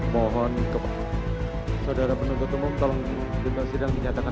tiga menyatakan pidana terhadap tersebut di atas